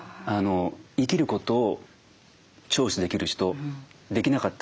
生きることをチョイスできる人できなかった人